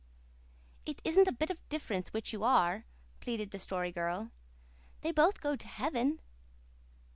"It isn't a bit of difference which you are," pleaded the Story Girl. "They both go to heaven."